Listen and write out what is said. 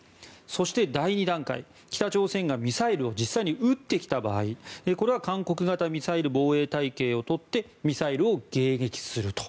そして、第２段階北朝鮮がミサイルを実際に撃ってきた場合これは韓国型ミサイル防衛体系を取ってミサイルを迎撃すると。